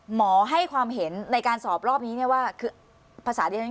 หมอให้ความเห็นในการสอบรอบนี้เนี่ยว่าคือภาษาที่ฉัน